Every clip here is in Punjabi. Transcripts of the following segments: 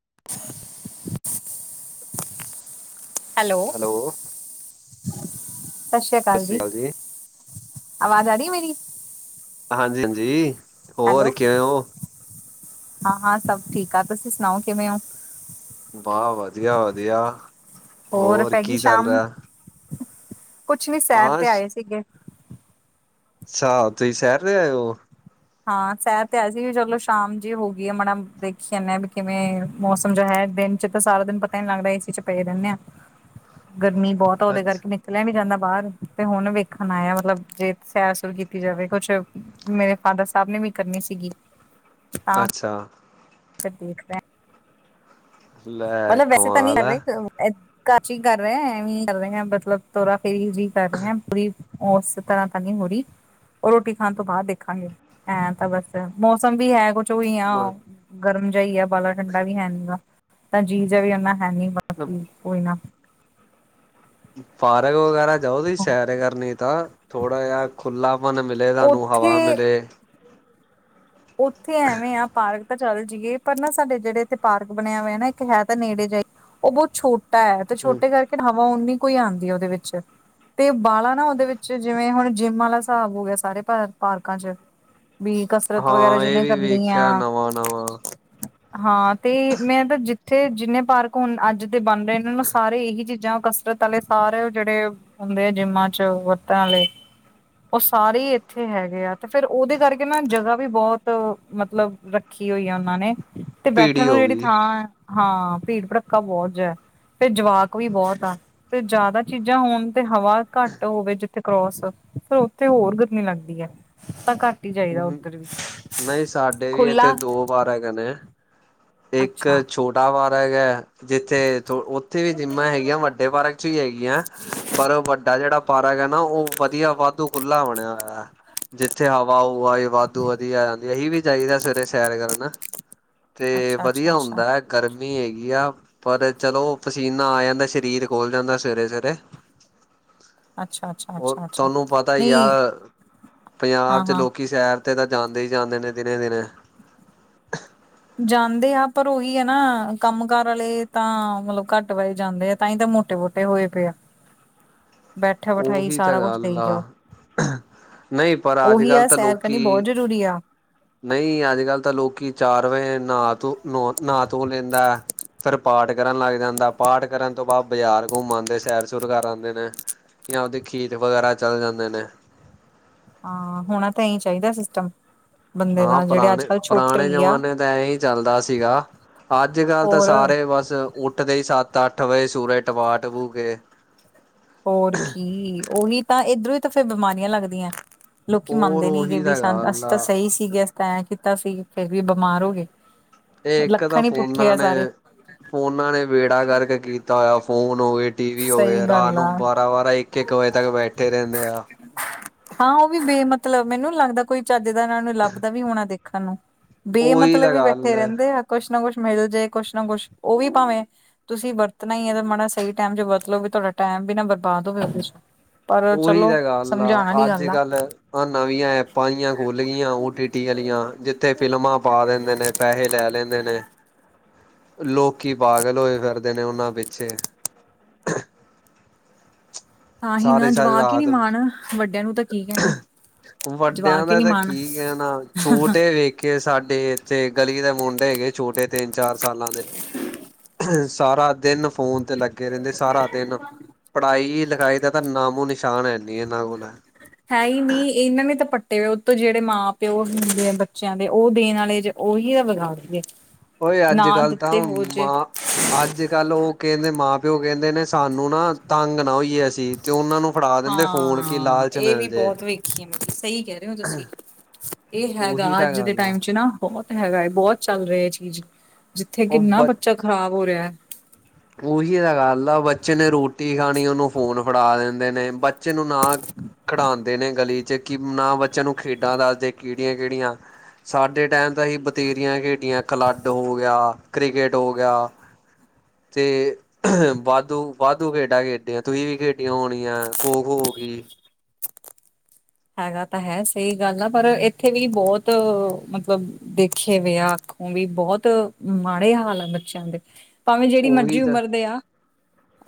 [inaudible] ਹੈਲੋ, ਸਤਿ ਸ਼੍ਰੀ ਅਕਾਲ ਜੀ। ਆਵਾਜ਼ ਆ ਰਹੀ ਏ ਮੇਰੀ? ਹਾਂਜੀ ਹਾਂਜੀ। ਹੋਰ ਹੈਲੋ, ਕਿਵੇਂ ਹੋ? ਹਾਂ ਹਾਂ ਸਭ ਠੀਕ ਆ। ਤੁਸੀਂ ਸੁਣਾਓ, ਕਿਵੇਂ ਔ? ਵਾਹ ਵਧੀਆ ਵਧੀਆ। ਹੋਰ, ਪੈ ਗੀ ਕੀ ਚੱਲ ਸ਼ਾਮ। ਰਿਹਾ? ਕੁਛ ਨਹੀਂ ਸੈਰ ਹਾਂ ਤੇ ਆਏ ਸੀਗੇ। ਅੱਛਾ, ਤੁਸੀਂ ਸੈਰ ਤੇ ਆਏ ਹੋ। ਹਾਂ, ਸੈਰ ਤੇ ਆਏ ਸੀ ਵੀ ਚਲੋ ਸ਼ਾਮ ਜੀ ਹੋ ਗਈ ਏ ਮਾੜਾ ਦੇਖੀ ਜਾਂਦੇ ਆ ਬਈ ਕਿਵੇਂ ਮੌਸਮ ਜੋ ਹੈ ਦਿਨ। ਨਿਤਾਂ ਸਾਰਾ ਦਿਨ ਪਤਾ ਨੀ ਲਗਦਾ ਏ ਸੀ ਚ ਪਏ ਰਹਿੰਦੇ ਆਂ। [inaudible] ਗਰਮੀ ਬਹੁਤ ਆ ਔਦੇ ਅੱਛਾ ਕਰਕੇ ਮੈਂ ਨਿਕਲਿਆ ਨਹੀ ਜਾਂਦਾ ਬਾਹਰ ਤੇ ਹੋਣ ਵੇਖਣ ਆਏ ਆ ਮਤਲਬ ਜੇ ਸੈਰ-ਸੂਰ ਕੀਤੀ ਜਾਵੇ। ਕੁਛ ਮੇਰੇ ਫਾਦਰ ਸਾਬ ਨੇ ਵੀ ਕਰਨੀ ਸੀਗੀ। ਅੱਛਾ। ਫੇਰ ਦੇਖਦੇ ਆਂ। ਲੈ ਮਤਲਬ ਵੈਸੇ ਤਾਂ ਨੀ ਕਮਾਲ ਕਰ ਹੈ। ਰਹੇ। [inaudible] ਐਵੇਂ ਈ ਕਰ ਰਹੇ ਆਂ ਮਤਲਬ ਤੋਰਾ ਫੇਰੀ ਵੀ ਕਰ ਰੇਆ ਫਰੀ। ਓਸ ਤਰ੍ਹਾਂ ਤਾ ਨੀ ਹੋਰੀ ਓਹ ਰੋਟੀ ਖਾਣ ਤੋਂ ਬਾਦ ਦੇਖਾਂਗੇ, ਐਂ ਤਾਂ ਬਸ ਮੌਸਮ ਵੀ ਹੈ ਕੁ ਹੀ ਆ, ਗਰਮ ਜਿ ਹੀ ਆ ਬਾਲਾ ਠੰਡਾ ਵੀ ਹੈ ਨੀਂਗਾ, ਤਾਂ ਜੀਅ ਜਿਹਾ ਵੀ ਉਹਨਾ ਹੈਨੀ ਬਾਕੀ ਕੋਈ ਨਾ ਪਾਰਕ ਵਗੈਰਾ ਜਾਓ ਤੁਸੀ ਸੈਰੇ ਕਰਨੇ ਤਾਂ, ਥੋੜਾ ਜਿਹਾ ਖੁੱਲ੍ਹਾਪਨ ਮਿਲੇ ਤਾਂਨੂੰ, ਹਵਾ ਉੱਥੇ ਮਿਲੇ। ਉੱਥੇ ਐਵੇਂ ਆ ਪਾਰਕ ਤਾਂ ਚੱਲ ਜਾਈਏ, ਪਰ ਨਾ ਸਾਡੇ ਜਿਹੜੇ ਇੱਥੇ ਪਾਰਕ ਬਣਿਆ ਹੋਇਆ ਨਾ ਇੱਕ ਹੈ ਤਾਂ ਨੇੜੇ ਜੇ, ਉਹ ਬਹੁਤ ਛੋਟ ਹੈ, ਤੇ ਛੋਟੇ ਕਰਕੇ ਹਵਾ ਉਨੀ ਕੋਈ ਆਂਦੀ ਉਹਦੇ ਵਿੱਚ ਤੇ ਬਾਲਾਂ ਨਾ ਉਹਦੇ ਵਿੱਚ ਜਿਵੇਂ ਹੁਣ ਜਿੰਮ ਵਾਲਾ ਸਾਬ ਹੋ ਗਿਆ ਸਾਰੇ ਪ ਪਾਰਕਾਂ ਚ ਵੀ ਕਸਰਤ ਵਗੈਰਾ ਹਾਂ ਇਹ ਜਿਹਨੇ ਵੀ ਕਰਨੀ ਆ ਵੇਖਿਆ ਨਵਾਂ-ਨਵਾਂ ਹਾਂ, ਤੇ ਮੈਂ ਤਾਂ ਜਿੱਥੇ ਜਿੰਨੇ ਪਾਰਕ ਹੋਣ ਅੱਜ ਤੇ ਬਨ ਰਹੇ ਇਹਨਾਂ ਨੂੰ ਸਾਰੇ ਇਹੀ ਚੀਜ਼ਾਂ ਕ ਕੁਤ ਵਾਲੇ ਸਾਰੇ ਜਿਹੜੇ ਹੁੰਦੇ ਆ ਜਿੰਮਾਂ ਚ, ਵਰਤਣ ਵਾਲੇ ਉਹ ਸਾਰੇ ਹੀ ਇੱਥੇ ਹੈਗੇ ਆ, ਤੇ ਫੇਰ ਉਹਦੇ ਕਰਕੇ ਨਾ ਜਗ੍ਹਾ ਵੀ ਬਹੁਤ ਮਤਲਬ ਰੱਖੀ ਹੋਈ ਆ ਉਹਨਾਂ ਨੇ, ਤੇ ਬੈਠਣ ਭੀੜੀ ਨੂੰ ਹੋ ਜਿਹੜੀ ਗਈ। ਥਾਂ ਹਾਂ, ਭੀੜ ਭੜੱਕਾ ਬਹੁਤ ਜ ਫੇਰ ਜਵਾਕ ਵੀ ਬਹੁਤ ਆ। ਤੇ ਜ਼ਿਆਦਾ ਚੀਜ਼ਾਂ ਹੋਣ ਤੇ ਹਵਾ ਘੱਟ ਹੋਵੇ ਜਿੱਥੇ ਕਰੋਸ, ਫਿਰ ਉੱਥੇ ਹੋਰ ਗਰਮੀ ਲੱਗਦੀ ਐ। ਤਾਂ ਘੱਟ ਹੀ ਜਾਈਦਾ ਉਹ ਨਹੀਂ ਸਾਡੇ ਵੀ ਇੱਥੇ ਦੋ ਬਾਰ ਹੈਗੇਨੇ, ਇੱਕ ਅੱਛਾ ਛੋਟ ਵੱਡਾ ਪਾਰਕ ਹੈ, ਜਿੱਥੇ ਉੱਥੇ ਵੀ ਜਿੰਮਾਂ ਹੈਗੀਆਂ ਵੱਡੇ ਪਾਰਕ ਹੀ ਹੈਗੀਆਂ, ਪਰ ਵੱਡਾ ਜਿਹੜਾ ਪਾਰ ਗਿਆ ਨਾ ਉਹ ਵਧੀਆ ਵਾਧੂ ਖੁੱਲਾ ਬਣਿਆ ਹੋਇਆ, ਜਿੱਥੇ ਵ ਵਾਹੀ ਵਾਧੂ ਵਧੀਆ ਆ ਜਾਂਦੀ ਅਸੀਂ ਵੀ ਜਾਈਦਾ ਸਵੇਰੇ ਸੈਰ ਕਰਨ। ਤੇ ਅੱਛਾ ਅੱਛਾ ਵਧੀਆ ਅੱਛਾ ਹੁੰਦੈ ਗਰਮੀ ਹੈਗੀ ਆ, ਪਰ ਚਲੋ ਪਸੀਨਾ ਆ ਜਾਂਦਾ ਸਰੀਰ ਖੋਲ੍ਹ ਜਾਂਦਾ ਸਵੇਰੇ ਸਵੇਰੇ। ਅੱਛਾ ਅੱਛਾ ਉਹ ਅੱਛਾ ਅੱਛਾ ਥੋਨੂੰ ਪਤਾ ਈ ਆ, ਨਹੀਂ ਪੰਜਾਬ ਹਾਂ ਹਾਂ ਕਿ ਸੈਰ ਤੇ ਤਾਂ ਜਾਂਦੇ ਈ ਜਾਂਦੇ ਨੇ ਦਿਨੇ-ਦਿਨੇ। ਜਾਂਦੇ ਆ ਪਰ ਉਹੀ ਹੈ ਨਾ, ਕੰਮ ਕਾਰ ਆਲੇ ਤਾਂ ਮਤਲਬ ਘੱਟ ਬੱਦ ਜਾਂਦੇ ਆ, ਤਾਂ ਹੀ ਤਾਂ ਮੋਟੇ-ਮੋਟੇ ਹੋਏ ਪਏ ਆ। ਬੈਠਾ ਬਿਠਾਈ ਉਹੀ ਤਾਂ ਸਾਰਾ ਕੁਛ ਗੱਲ ਦੇਈ ਆ। ਜਾਓ ਨਹੀਂ ਪਰ ਉਹੀ ਅੱਜ-ਕੱਲ੍ਹ ਆ ਤਾਂ ਸੈਰ ਕਰਨੀ ਬਹੁਤ ਲੋਕੀ ਜ਼ਰੂਰੀ ਆ ਨਈਂ ਅੱਜ-ਕੱਲ੍ਹ ਤਾਂ ਲੋਕੀ ਚਾਰ ਵਜੇ ਨਹਾ ਧੋ, ਨਾਂ ਧੋ ਲੈਂਦੈ। ਫਿਰ ਪਾਠ ਕਰਨ ਲੱਗ ਜਾਂਦਾ, ਪਾਠ ਕਰਨ ਤੋਂ ਬਾਅਦ ਬਜਾਰ ਘੁੰਮ ਆਂਦੇ ਸੈਰ ਸੁਰ ਕਰ ਆਂਦੇ ਨੇ। ਜਾਂ ਉਹਦੇ ਖੇਤ ਵਗੈਰਾ ਚਲੇ ਜਾਂਦੇ ਨੇ ਹਾਂ ਹੋਣਾ ਤਾਂ ਇਹੀ ਚਾਹੀਦਾ, ਸਿਸਟਮ ਬੰਦੇ ਹਾਂ ਦਾ ਜਿਹੜੇ ਅੱਜ ਕੱਲ੍ਹ ਛੋਟੇ ਪਰਾਣੇ-ਪਰਾਣੇ ਹੀ ਆ ਜਮਾਨੇ ਤਾਂ ਇਹੀਂ ਚੱਲਦਾ ਸੀਗਾ। ਅੱਜ-ਕੱਲ ਤਾਂ ਹੋਰ ਸਾਰੇ ਬਸ ਉੱਠਦੇ ਹੀ ਸੱਤ ਅੱਠ ਵਜੇ ਸੂਰਜ ਟਮਾ ਟਬੂ ਕੇ ਹੋਰ ਕੀ, ਉਹੀ ਤਾਂ ਏਧਰੋਂ ਹੀ ਤਾਂ ਫੇਰ ਬਿਮਾਰੀਆਂ ਲੱਗਦੀਐਂ। ਲੋਕੀ ਹੋਰ ਮੰਨਦੇ ਨੀ ਗੇ ਉਹੀ ਵੀ ਤਾਂ ਸਾਨ ਗੱਲ ਅਸੀਂ ਤਾਂ ਆ ਸਹੀ ਸੀਗੇ, ਅਸੀਂ ਤਾਂ ਐਂ ਕੀਤਾ ਸੀ, ਫੇਰ ਵੀ ਬਿਮਾਰ ਹੋ ਗੇ। ਇਹ ਇੱਕ ਤਾਂ ਫੋਨਾਂ ਨੇ ਫੋਂਨਾਂ ਨੇ ਬੇੜਾ ਗਰਕ ਕੀਤਾ ਹੋਇਆ, ਫੋਨ ਹੋਵੇ ਟੀ ਵੀ ਸਹੀ ਹੋਵੇ ਰਾਤ ਗੱਲ ਨੂੰ ਆ ਬਾਰਾਂ-ਬਾਰਾਂ, ਇੱਕ-ਇੱਕ ਵਜੇ ਤੱਕ ਬੈਠੇ ਰਹਿੰਦੇ ਆ। ਹਾਂ ਉਹ ਵੀ ਬੇ ਮਤਲਬ ਮੈਨੂੰ ਨੀ ਲੱਗਦਾ, ਕੋਈ ਚੱਜ ਦਾ ਇਹਨਾਂ ਨੂੰ ਲੱਭਦਾ ਵੀ ਹੋਣਾ ਦੇਖਣ ਨੂੰ ਬੇ ਉਹੀ ਮਤਲਬ ਤਾਂ ਵੀ ਗੱਲ ਬੈਠੇ ਹੈ ਰਹਿੰਦੇ ਆ, ਕੁਸ਼ ਨਾ ਕੁਸ਼ ਮਿਲ ਜਾਏ ਕੁਸ਼ ਨਾ ਕੁਸ਼, ਓਂ ਵੀ ਭਾਵੇਂ ਤੁਸੀਂ ਵਰਤਨਾ ਈ ਏ, ਮਾੜਾ ਸਹੀ ਟੈਮ ਚ ਵਰਤਲੋ ਵੀ ਤੁਹਾਡਾ ਟੈਮ ਵੀ ਨਾ ਬਰਬਾਦ ਹੋਵੇ ਉਹਦੇ ਚ ਪਰ ਉਹੀ ਚਲੋ ਤਾਂ ਗੱਲ ਸਮਝਾਣ ਆਲੀ ਅੱਜ ਗੱਲ ਆ। ਕੱਲ ਆ ਨਵੀਆਂ ਐਪਾਂ ਜਿਆਂ ਖੁਲ ਗਈਆਂ, ਓ ਟੀ ਟੀ ਆਲੀਆਂ, ਜਿੱਥੇ ਫਿਲਮਾਂ ਪਾ ਦਿੰਦੇ ਨੇ। ਪੈਸੇ ਲੈ ਲੈਂਦੇ ਨੇ, ਲੋਕੀ ਪਾਗਲ ਹੋਏ, ਫਿਰਦੇ ਨੇ ਉਹਨਾਂ ਪਿੱਛੇ ਤਾਂ ਹੀ ਸਾਰੀ ਨਾ ਸਾਰੀ ਜਵਾਕ ਹੀ ਨੀ ਰਾਤ ਮਾਣ, ਵੱਡਿਆਂ ਨੂੰ ਤਾਂ ਕੀ ਕਹਿਣਾ ਵੱਡਿਆਂ ਜਵਾਕ ਹੀ ਦਾ ਨੀ ਤਾਂ ਮਾਣ। ਕੀ ਕਹਿਣਾ ਛੋਟੇ ਵੇਖ ਕੇ ਸਾਡੇ ਇੱਥੇ ਗਲੀ ਦੇ ਮੁੰਡੇ ਹੈਗੇ ਛੋਟੇ ਤਿੰਨ -ਚਾਰ ਸਾਲਾਂ ਦੇ। ਸਾਰਾ ਦਿਨ ਫੋਨ 'ਤੇ ਲੱਗੇ ਰਹਿੰਦੇ, ਸਾਰਾ ਦਿਨ ਪੜ੍ਹਾਈ- ਲਿਖਾਈ ਤਾਂ ਨਾਮੋ-ਨਿਸ਼ਾਨ ਹੈ ਨੀ ਇਹਨਾਂ ਕੋਲ। ਹੈ ਹੀ ਨਹੀਂ ਇਹਨਾਂ ਨੇ ਤਾਂ ਪੱਟੇ ਹੋਏ ਉਹ ਤੋਂ ਜਿਹੜੇ ਮਾਂ-ਪਿਓ ਹੁੰਦੇ ਬੱਚਿਆਂ ਦੇ ਉਹ ਦੇਣ ਵਾਲੇ। ਓਏ ਵਿਗਾੜਦੇ। ਓਏ ਨਾ ਅੱਜ-ਕੱਲ ਤਾਂ ਦਿੱਤੇ ਹੋ ਜੇ ਮਾਂ ਅੱਜ ਕੱਲ ਉਹ ਕਹਿੰਦੇ ਮਾਂ ਪਿਓ ਕਹਿੰਦੇ ਨੇ ਸਾਨੂੰ ਨਾ ਤੰਗ ਨਾ ਹੋਈਏ ਅਸੀਂ ਤੇ ਉਹਨਾਂ ਨੂੰ। ਫੜਾ ਦਿੰਦੇ ਫੋਨ ਕਿ ਹਾਂ ਲਾਲਚ ਇਹ ਵੀ ਮਿਲ ਜੇ ਬਹੁਤ ਵੇਖੀ ਆ ਮੈਂ ਸਹੀ ਕਹਿ ਰਹੇ ਹੋ ਤੁਸੀਂ। ਇਹ ਹੈਗਾ ਉਹੀ ਤਾਂ ਅੱਜ ਦੇ ਗੱਲ ਆ ਟਾਈਮ ਚ ਨਾ। ਬਹੁਤ ਹੈਗਾ ਏ, ਬਹੁਤ ਚੱਲ ਰਿਹਾ ਹੈ ਚੀਜ਼, ਜਿੱਥੇ ਉਹ ਕਿੰਨਾ ਬ ਬੱਚਾ ਖ਼ਰਾਬ ਹੋ ਰਿਹਾ ਹੈ। ਉਹੀ ਤਾਂ ਗੱਲ ਆ, ਬੱਚੇ ਨੇ ਰੋਟੀ ਖਾਣੀ, ਉਹਨੂੰ ਫੋਨ ਫੜਾ ਦਿੰਦੇ ਨੇ ਬੱਚੇ ਨੂੰ ਨਾ ਖਿਡਾਉਂਦੇ ਨੇ ਗਲੀ 'ਚ ਕਿ ਨਾ ਬੱਚਿਆਂ ਨੂੰ ਖੇਡਾਂ ਦੱਸਦੇ ਕਿਹੜੀਆਂ-ਕਿਹੜੀਆਂ। ਸਾਡੇ ਟਾਈਮ ਤਾ ਅਸੀਂ ਬਥੇਰੀਆਂ ਖੇਡੀਆਂ, ਕਲੱਡ ਹੋ ਗਿਆ, ਕ੍ਰਿਕੇਟ ਹੋ ਗਿਆ। ਤੇ ਅ ਵਾਧੋਂ। ਵਾਧੂ ਖੇਡਾਂ ਖੇਡੀਆ ਤੁਸੀਂ ਵੀ ਖੇਡੀਆਂ ਹੋਣੀਆਂ ਖੋ- ਖੋ ਹੋ ਗਈ। ਹੈਗਾ ਤਾਂ ਹੈ ਸਹੀ ਗੱਲ ਆ ਪਰ ਇੱਥੇ ਵੀ ਬਹੁਤ ਮਤਲਬ ਦੇਖੇ ਵੀਏ ਆ, ਅੱਖੋ ਵੀ ਬਹੁਤ ਮਾੜੇ ਹਾਲ ਆ ਬੱਚਿਆਂ ਦੇ। ਭਾਵੇਂ ਜਿਹੜੀ ਮਰਜ਼ੀ ਉਹੀ ਤਾਂ ਉਮਰ ਦੇ ਆ।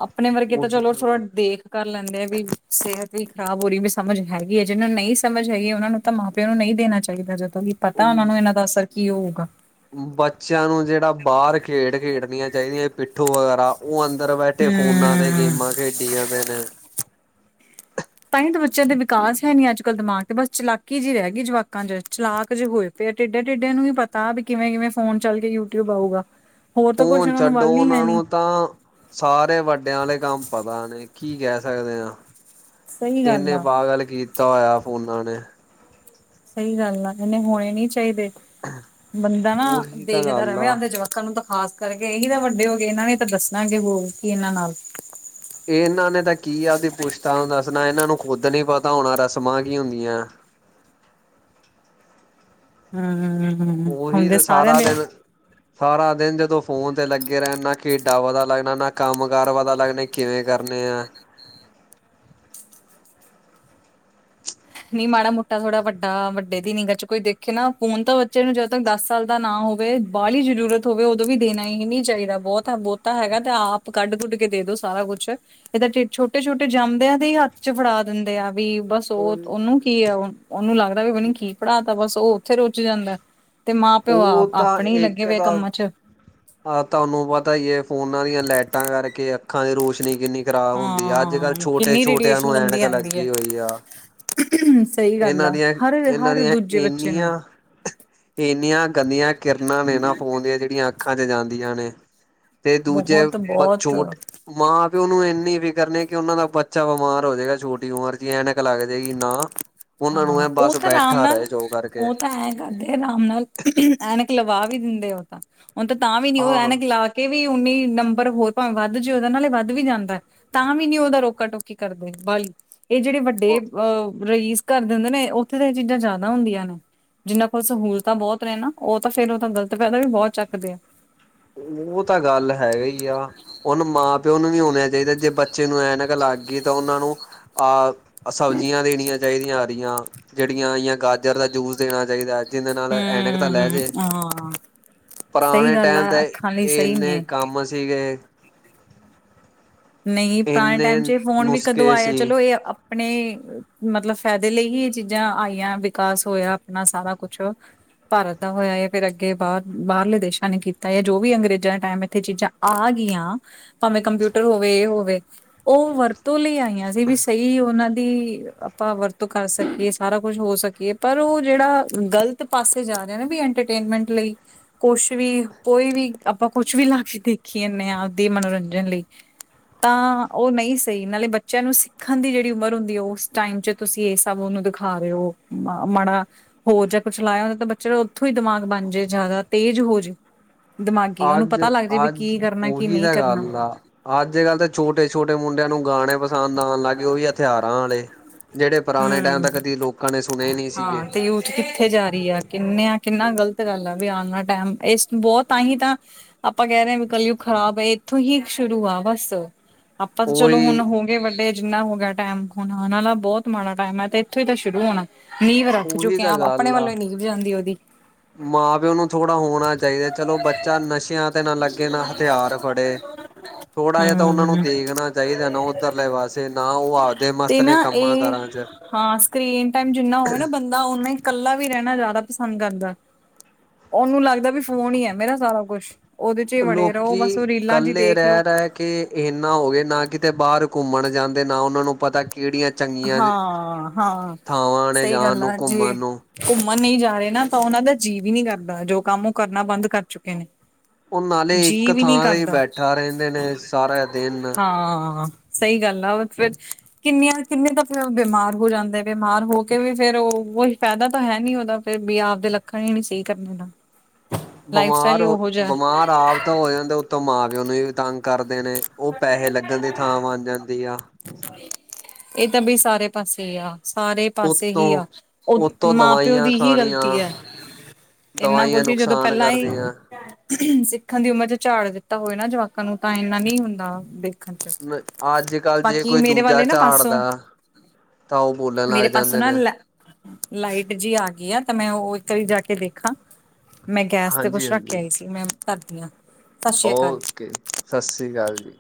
ਆਪਣੇ ਵਰਗੇ ਤਾਂ ਚਲੋ ਥੋੜ੍ਹਾ ਦੇਖ ਕਰ ਲੈਂਦੇ ਆ ਵੀ ਸਿਹਤ ਵੀ ਖ਼ਰਾਬ ਹੋ ਰਹੀ ਵੀ ਸਮਝ ਹੈਗੀ। ਹੈ ਜਿਹਨੂੰ ਨਹੀਂ ਸਮਝ ਹੈਗੀ ਉਹ ਨੂੰ ਤਾਂ ਮਾਂ ਪਿਓ ਨੂੰ ਨਹੀਂ ਦੇਣਾ ਚਾਹੀਦਾ ਜਦੋਂ ਕਿ ਪਤਾ ਉਹਨਾਂ ਨੂੰ ਇਹਨਾਂ ਦਾ ਅਸਰ। ਕੀ ਹੋਊਗਾ। ਬੱਚਿਆਂ ਨੂੰ ਜਿਹੜਾ ਬਾਹਰ ਖੇਡ ਖੇਡਣੀਆਂ ਚਾਹੀਦੀਆਂ ਪਿੱਠੋਂ ਵਗੈਰਾ। ਉਹ ਅੰਦਰ ਬੈਠੇ ਫੋਨਾਂ ਤੇ ਹੂੰ ਗੇਮਾਂ ਖੇਡੀ ਜਾਂਦੇ ਨੇ। ਤਾਂਹੀ ਤਾਂ ਬੱਚਿਆਂ ਦੇ ਵਿਕਾਸ ਹੈ ਨੀ ਅੱਜ ਕੱਲ ਦਿਮਾਗ ਤੇ ਬਸ ਚਲਾਕੀ ਜਿਹੀ ਰਹਿ ਗਈ ਜਵਾਕਾਂ ਚ ਚਲਾਕ ਜੇ ਹੋਏ। ਫਿਰ ਟਿੱਡੇ- ਟਿੱਡੇ ਨੂੰ ਵੀ ਪਤਾ ਵੀ ਕਿਵੇਂ- ਕਿਵੇਂ ਫੋਨ ਚੱਲ ਕੇ ਯੂਟਿਊਬ ਆਊਗਾ। ਹੋਰ ਤਾਂ ਕੁਛ ਉਹਨਾਂ ਨੂੰ ਉਛੱਡੋ ਵੱਲ ਹੀ ਹੈ ਉਹਨਾਂ ਨੀ ਨੂੰ ਤਾਂ। ਸਾਰੇ ਵੱਡਿਆਂ ਵਾਲੇ ਕੰਮ ਪਤਾ ਨੇ, ਕੀ ਕਹਿ ਸਕਦੇ ਹਾਂ। ਸਹੀ ਗੱਲ ਇੰਨੇ ਆ ਪਾਗਲ ਕੀਤਾ ਹੋਇਆ ਫੋਨਾ ਨੇ। ਸਹੀ ਗੱਲ ਆ, ਇਹਨੇ ਹੋਣੇ ਨੀ ਚਾਹੀਦੇ, ਬੰਦਾ ਨਾ ਉਹੀ ਤਾਂ ਦੇਖਦਾ ਗੱਲ ਰਹੇ ਆ। ਆਪਦੇ ਜਵਾਕਾਂ ਲੋਕਾਂ ਨੂੰ ਤਾਂ ਖਾਸ ਕਰਕੇ ਇਹੀ ਤਾਂ ਵੱਡੇ ਹੋ ਗਏ ਇਹਨਾਂ ਨੇ ਤਾਂ ਦੱਸਣਾ ਕਿ ਹੋ ਕੀ ਇਹਨਾਂ ਨਾਲ ਇਹ ਇਹਨਾਂ ਨੇ ਤਾਂ ਕੀ ਆਪਦੀ ਪੁੱਛਤਾ ਨੂੰ ਦੱਸਣਾ, ਇਹਨਾਂ ਨੂੰ ਖੁੱਦ ਨੀ ਪਤਾ ਹੋਣਾ ਰਸਮਾਂ ਕੀ ਹੁੰਦੀਆਂ। ਹਮ, ਹੁੰਦੇ ਸਾਰਿਆਂ ਦੇ। ਹ ਸਾਰਾ ਦਿਨ ਜਦੋਂ ਫੋਨ ਤੇ ਲੱਗੇ ਰਹਿਣ, ਨਾ ਖੇਡਾਂ ਪਤਾ ਲੱਗਣਾ ਨਾ ਕੰਮ ਕਾਰ ਪਤਾ ਲੱਗਣੇ ਕਿਵੇਂ ਕਰਨੇ ਆ। ਨਹੀਂ ਮਾੜਾ ਮੋਟਾ ਥੋੜ੍ਹਾ ਵੱਡਾ ਵੱਡੇ ਦੀ ਨਿੱਗਾ ਚ ਕੋਈ ਦੇਖੇ ਨਾ ਫੋਨ ਤਾਂ ਬੱਚੇ ਨੂੰ ਜਦੋਂ ਤੱਕ ਦਸ ਸਾਲ ਦਾ ਨਾ ਹੋਵੇ। ਬਾਹਲੀ ਜ਼ਰੂਰਤ ਹੋਵੇ ਉਦੋਂ ਵੀ ਦੇਣਾ ਹੀ ਨਹੀਂ ਚਾਹੀਦਾ ਬਹੁਤਾ, ਬਹੁਤਾ ਹੈਗਾ ਤੇ ਆਪ ਕੱਢ ਕੁੱਢ ਕੇ ਦੇ ਦੋ ਸਾਰਾ ਕੁਛ। ਇਹਦ ਛੋਟੇ- ਛੋਟੇ ਜੰਮਦਿਆਂ ਤੇ ਹੀ ਹੱਥ ਚ ਫੜਾ ਦਿੰਦੇ ਆ ਵੀ ਬਸ ਉਹ। ਉਹੀ ਉਹਨੂੰ ਕੀ ਹੈ, ਉਹਨੂੰ ਲੱਗਦਾ ਵਾ ਮੈਨੂੰ ਕੀ ਪੜ੍ਹਾ ਤਾ ਬਸ ਉਹ ਉੱਥੇ ਰੁਜ ਜਾਂਦਾ। ਤੇ ਮਾਂ ਪਿਓ ਉਹ ਤਾਂ ਆਪਣੇ ਹੀ ਲੱਗੇ ਇੱਕ ਵਏ ਤਾਂ ਕੰਮਾਂ ਚ ਆਹ ਤੁਹਾਨੂੰ ਪਤਾ ਹੀ ਫੋਨਾਂ ਦੀਆਂ ਲਾਈਟਾਂ ਕਰਕੇ ਅੱਖਾਂ ਦੀ ਰੋਸ਼ਨੀ। ਕਿੰਨੀ ਖਰਾਬ ਹੁੰਦੀ ਆ, ਅੱਜ ਹਾਂ ਕੱਲ੍ਹ ਛੋਟੇ ਕਿੰਨੀ -ਛੋਟਿਆਂ ਰੇਡੀਏਸ਼ਨ ਨੂੰ ਗੰਦੀ ਐਨਕ ਆਉਂਦੀ ਹੈ ਲੱਗੀ ਹੋਈ ਆ। ਸਹੀ ਗੱਲ ਇਹਨਾਂ ਆ ਦੀਆਂ, ਹਰ ਇਹਨਾਂ ਹਰ ਦੀਆਂ, ਦੂਜੇ ਬੱਚੇ ਨੂੰ ਇੰਨੀਆਂ। ਇੰਨੀਆਂ ਗੰਦੀਆਂ ਕਿਰਨਾਂ ਨੇ ਨਾ ਫੋਨ ਦੀਆ, ਜਿਹੜੀਆਂ ਅੱਖਾਂ ਚ ਜਾਂਦੀਆਂ ਨੇ। ਤੇ ਦੂਜੇ ਬਹੁਤ ਬਚੋਟ। ਬਹੁਤ ਮਾਂ ਪਿਓ ਨੂੰ ਇੰਨੀ ਫਿਕਰ ਨੀ ਕਿ ਉਹਨਾਂ ਦਾ ਬੱਚਾ ਬਿਮਾਰ ਹੋ ਜਾਏਗਾ, ਛੋਟੀ ਉਮਰ ਚ ਹੀ ਐਨਕ ਲੱਗ ਜਾਏਗੀ ਨਾ। ਉਹਨਾਂ ਨੂੰ ਹਾਂ ਇਹ ਉਹ ਬਸ ਤਾਂ ਆਰਾਮ ਬੈਠਾ ਨਾਲ, ਰਹੇ ਜੋ ਕਰਕੇ ਉਹ ਤਾਂ ਹੈ। ਕਰਦੇ ਆਰਾਮ ਨਾਲ, ਐਨਕ ਲਵਾ ਵੀ ਦਿੰਦੇ ਉਹ ਤਾਂ, ਹੁਣ ਤਾਂ ਵੀ ਨੀ ਉਹ ਹਾਂ ਐਨਕ ਲਾ ਕੇ। ਕਿ ਵੀ ਉਨ੍ਹਾ ਹੀ ਨੰਬਰ ਹੋਰ ਭਾਵੇਂ ਵੱਧ ਜੁ, ਉਹਦੇ ਨਾਲ਼ੇ ਵੱਧ ਵੀ ਜਾਂਦਾ। ਤਾਂ ਵੀ ਨੀ, ਉਹ ਤਾਂ ਰੋਕਾ ਟੋਕੀ ਕਰਦੇ, ਬਲੀਕਿ ਇਹ ਜਿਹੜੇ ਵੱਡੇ ਅਹ ਰਈਸ। ਕਰ ਦੇਂਦੇ ਨੇ, ਉਥੇ ਤੇ ਏ ਚੀਜ਼ਾਂ ਜ਼ਾਦਾ ਹੁੰਦੀਆਂ ਨੇ। ਜਿੰਨਾਂ ਕੋਲ ਸਹੂਲਤਾਂ ਬਹੁਤ ਨੇ ਨਾ ਓ ਤਾਂ ਫੇਰ ਓ ਤਾਂ ਗਲਤ ਫਾਇਦਾ ਵੀ ਬਹੁਤ ਚੱਕਦੇ ਆ। ਉਹ ਤਾਂ ਗੱਲ ਹੈਗਾ ਈ ਆ, ਹੁਣ ਮਾਂ ਪਿਓ ਨੂੰ ਵੀ ਹੋਣਾ ਚਾਹੀਦਾ ਜੇ ਬੱ ਬੱਚੇ ਨੂੰ ਐਨਕ ਲੱਗ ਗਈ ਤਾਂ, ਉਨਾਂ ਨੂੰ ਆਹ ਸਬਜ਼ੀਆਂ ਦੇਣੀਆਂ ਚਾਹੀਦੀਆਂ ਹਰੀਆਂ। ਜਿਹੜੀਆਂ, ਆਈਆਂ ਗਾਜਰ ਦਾ ਜੂਸ ਦੇਣਾ ਚਾਹੀਦਾ, ਜਿਹਦੇ ਨਾਲ ਐਨਕ ਤਾਂ ਲੈ ਹਮ ਜੇ। ਹਾਂ ਸਹੀ ਪਰਾਣੇ ਗੱਲ ਟੈਮ ਹੈ ਤੇ, ਅੱਖਾਂ ਲਈ ਸਹੀ ਇੰਨੇ ਨੇ ਕੰਮ ਸੀਗੇ। ਨਈ ਪਰਾਣੇ ਇੰਨੇ ਟੈਮ ਚ, ਏ ਫੋਨ ਵੀ ਕਦੋਂ ਨੁਸਖੇ ਆਇਆ? ਸੀ ਚਲੋ ਏ ਆਪਣੇ ਮਤਲਬ, ਫਾਇਦੇ ਲਈ ਹੀ ਇਹ ਚੀਜ਼ਾਂ ਆਈਆਂ, ਵਿਕਾਸ ਹੋਇਆ ਆਪਣਾ ਸਾਰਾ ਕੁਛ। ਭਾਰਤ ਦਾ ਹੋਇਆ ਏ, ਫੇਰ ਅੱਗੇ ਬਾਹਰ, ਬਾਹਰਲੇ ਦੇਸ਼ਾਂ ਨੇ ਕੀਤਾ ਏ, ਜੋ ਵੀ ਅੰਗਰੇਜ਼ਾਂ ਟੈਮ ਇੱਥੇ ਚੀਜ਼ਾਂ- ਆ ਗਈਆਂ, ਭਾਵੇਂ ਕੰਪਿਊ- ਟਰ ਹੋਵੇ, ਇਹ ਹੋਵੇ ਉਹ ਵਰਤੋਂ ਲਈ ਆਈਆਂ ਸੀ, ਵੀ ਸਹੀ ਉਹਨਾਂ ਦੀ- ਆਪਾਂ ਵਰਤੋਂ ਕਰ ਸਕੀਏ, ਸਾਰਾ ਕੁਛ ਹੋ ਸਕੀਏ, ਪਰ ਉਹ ਜਿਹੜਾ ਗਲਤ ਪਾਸੇ ਜਾ ਰਿਹਾ ਨਾ ਵੀ ਐਂਟਰਟੇ- ਨਮੈਂਟ ਲਈ, ਕੁਛ ਵੀ, ਕੋਈ ਵੀ, ਆਪਾਂ ਕੁਛ ਵੀ ਲਾ ਕੇ ਦੇਖੀ ਜਾਨੇ ਆਂ, ਆਪਦੇ ਮਨੋਰੰਜਨ ਲਈ। [inaudible] ਤਾਂ ਉਹ ਨਹੀਂ ਸਹੀ, ਨਾਲੇ ਬੱਚਿਆਂ ਨੂੰ ਸਿੱਖਣ ਦੀ ਜਿਹੜੀ ਉਮਰ ਹੁੰਦੀ, ਓਸ ਟਾਈਮ 'ਚ- ਤੁਸੀਂ ਏ, ਸਭ ਉਹਨੂੰ ਦਿਖਾ ਰਹੇ ਔ ਮਾੜਾ ਹੋਰ ਜਾਂ, ਕੁਛ ਲਾਇਆ ਹੁੰਦਾ ਤਾਂ ਬੱਚੇ ਦਾ ਉਥੋਂ ਈ ਦਿਮਾਗ ਬਣ ਜੇ ਜ਼ਾਦਾ ਤੇਜ਼ ਹੋ ਜੇ- ਦਿਮਾਗੀ ਉਨੂੰ ਅੱਜ ਪਤਾ ਲੱਗ ਜਾਏ, ਵੀ ਅੱਜ ਕੀ ਕਰਨਾ ਕੀ ਉਹੀ ਨਈ ਤਾਂ ਕਰਨਾ। ਗੱਲ ਆ। ਅੱਜ- ਕੱਲ੍ਹ ਤੇ ਛੋਟੇ- ਛੋਟੇ ਮੁੰਡਿਆਂ ਨੂੰ ਗਾਣੇ- ਗਾਣ ਲੱਗ ਗਏ, ਉਹ ਵੀ ਹਥਿਆਰਾਂ ਆਲੇ, ਜਿਹੜੇ ਪੁਰਾਣੇ ਟੈਮ ਤੇ ਹਮ ਕਦੀ ਲੋਕਾਂ ਨੇ ਸੁਣੇ ਨੀ ਸੀ ਗੇ। ਹਾਂ ਤੇ ਯੂਥ ਕਿੱਥੇ ਜਾ ਰੀ ਆ, ਕਿੰਨੇ ਆ ਕਿੰਨਾ ਗ਼ਲਤ ਗੱਲ ਆ ਵੀ ਆਣ ਆਲਾ ਟੈਮ ਇਸ ਬਹੁਤ ਤਾਂਹੀ ਤਾਂ- ਆਪਾਂ ਕਹਿ ਰਹੇ ਆਂ ਵੀ, ਕਲਯੁਗ ਖਰਾਬ ਏ, ਏਥੋਂ ਈ ਸ਼ੁਰੂ ਆ ਬਸ, ਆਪਾਂ ਤਾਂ ਚਲੋ ਹੁਣ ਉਹੀ ਹੋ ਗਏ ਵੱਡੇ। ਜਿੰਨਾ ਹੋ ਗਿਆ ਟਾਈਮ, ਹੁਣ ਆਣ ਆਲਾ ਬਹੁਤ ਮਾੜਾ ਟਾਈਮ ਐ ਤੇ ਏਥੋਂ ਈ ਤਾਂ ਸ਼ੁਰੂ ਹੋਣਾ। ਨੀਂਵ ਰੱਖ ਉਹੀ ਚੁੱਕੇ ਤਾਂ ਆ। ਆਪਣੇ ਗੱਲ ਆ। ਵੱਲੋਂ ਈ ਨੀਂਵ ਜਾਂਦੀ ਉਹਦੀ। ਮਾਂ ਪਿਓ ਨੂੰ ਥੋੜ੍ਹਾ ਹੋਣਾ ਚਾਹੀਦਾ, ਚੱਲੋ ਬੱਚਾ ਨਸ਼ਿਆਂ ਤੇ ਨਾ ਲੱਗੇ, ਨਾ ਹਥਿਆਰ ਫੜੇ। [unintelligible] ਥੋੜ੍ਹਾ ਜਿਹਾ ਤਾਂ ਉਨਾਂ ਨੂੰ ਹਮ ਦੇਖਣਾ ਚਾਹੀਦਾ ਨਾ, ਉਧਰਲੇ ਪਾਸੇ, ਨਾ ਉਹ ਆਪਦੇ ਮਸਤ ਤੇ ਨੇ ਨਾ ਕੰਮਾਂ ਇਹ ਕਾਰਾਂ ਚ। ਹਾਂ, ਸਕਰੀਨ ਟਾਈਮ ਜਿੰਨਾ ਹੋਵੇ ਨਾ, ਬੰਦਾ ਉਹਨਾਂ ਈ ਇਕੱਲਾ ਵੀ ਰਹਿਣਾ ਜਿਆਦਾ ਪਸੰਦ ਕਰਦਾ। ਉਹਨੂੰ ਲੱਗਦਾ ਵੀ ਫੋਨ ਈ ਐ, ਮੇਰਾ ਸਾਰਾ ਕੁੱਛ। ਉਹਦੇ 'ਚ ਈ ਵੜੇ ਰਹੋ ਬਸ ਰੀਲਾਂ ਚ ਦੇਖ- ਲੋ ਤੇ ਕਿ ਏਨਾ ਹੋ ਗਏ ਨਾ, ਕਿਤੇ ਬਾਹਰ ਘੁੰਮਣ ਜਾਂਦੇ, ਨਾ ਉਹਨਾਂ ਨੂੰ ਪਤਾ ਕਿਹੜੀਆਂ ਚੰਗੀਆਂ ਹਾਂ ਹਾਂ ਥਾਵਾਂ, ਨੇ ਸਹੀ ਜਾਣ ਗੱਲ ਨੂੰ ਆ ਘੁੰਮਣ ਜੇ ਨੂੰ। ਘੁੰਮਣ ਨਹੀਂ ਜਾ ਰਹੇ ਨਾ, ਤਾਂ ਉਹਨਾਂ ਦਾ ਜੀ ਵੀ ਨੀ ਕਰਦਾ, ਜੋ ਕੰਮ ਉਹ ਕਰਨਾ ਬੰਦ ਕਰ ਚੁੱਕੇ ਨੇ। ਉਹ ਨਾਲੇ ਜੀ ਇੱਕ ਵੀ ਨੀ ਥਾਂ ਤੇ ਹੀ ਕਰਦਾ, ਬੈਠਾ ਰਹਿੰਦੇ ਨੇ ਸਾਰਾ [unintelligible] ਦਿਨ। ਹਾਂ। ਸਹੀ ਗੱਲ ਆ, ਫੇਰ ਕਿੰਨੀਆਂ- ਕਿੰਨੇ ਤਾਂ, ਫੇਰ ਉਹ ਬਿਮਾਰ ਹੋ ਜਾਂਦੇ ਨੇ, ਬਿਮਾਰ ਹੋ ਕੇ ਵੀ ਫੇਰ ਉਹ ਕੋਈ ਫਾਇਦਾ ਤਾਂ ਹੈ ਨੀ ਉਹਦਾ ਫੇਰ ਵੀ ਆਪਦੇ ਲੱ- ਖਣ, ਹੀ ਨੀ, ਸਹੀ ਕਰਨੇ ਤਾਂ। ਬਮਾਰ ਹੋ ਬਮਾਰ ਆਪ ਤਾਂ ਹੋ ਜਾਂਦੇ, ਉਤੋਂ ਮਾਂ- ਪਿਓ ਨੂੰ ਵੀ ਤੰਗ- ਕਰਦੇ ਨੇ, ਓ ਪੈਸੇ ਲੱਗਣ ਦੀ ਥਾਂ ਬਣ ਜਾਂਦੀ ਆ। ਏ ਤਾਂ, ਬਈ ਸਾਰੇ ਪਾਸੇ ਆ। ਸਾਰੇ ਪਾਸੇ ਉਤੋਂ ਹੀ ਆ, ਓ ਉਤੋਂ ਮਾਂ-ਪਿਓ ਦਵਾਈਆਂ ਦੀ ਹੀ ਖਾਣੀਆਂ ਗਲਤੀ ਐ। ਏਨਾ ਦਵਾਈਆਂ ਕੁਛ ਸੀ, ਜਦੋਂ ਨੁਕਸਾਨ ਪਹਿਲਾਂ ਈ ਕਰਦੀਆਂ ਸਿੱਖਣ ਦੀ ਉਮਰ ਚ ਝਾੜ ਦਿੱਤਾ ਹੋਏ ਨਾ, ਜਵਾਕਾਂ ਨੂੰ, ਤਾਂ ਇਨਾਂ ਨਹੀਂ ਹੁੰਦਾ ਦੇਖਣ ਚ। ਅੱਜ- ਕੱਲ੍ਹ ਜੇ ਬਾਕੀ ਕੋਈ ਮੇਰੇ ਦੂਜਾ ਵਾਲੇ ਨਾ ਪਾਸੋਂ ਝਾੜਦਾ, ਤਾਂ ਉਹ ਬੋਲਣ ਮੇਰੇ ਲੱਗ ਪਾਸੋਂ ਜਾਂਦੇ ਨਾ ਨੇ। ਲ ਲਾਈਟ ਜੀ ਆ ਗਈ ਆ, ਤਾਂ ਮੈਂ ਉਹ ਇੱਕ ਵਾਰੀ ਜਾ ਕੇ ਦੇਖਾ। ਮੈਂ ਗੈਸ ਤੇ, ਹਾਂਜੀ ਕੁਛ ਰੱਖ ਕੇ ਹਾਂਜੀ ਆਈ ਸੀ, ਮੈਂ ਕਰਦੀ ਆਂ। ਓਕੇ, ਸਸਰੀ ਕਾਲ ਜੀ।